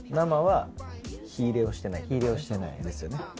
生は火入れをしてないですよね。